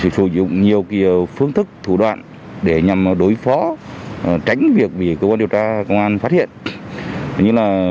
sử dụng nhiều phương thức thủ đoạn để nhằm đối phó tránh việc bị cơ quan điều tra công an phát hiện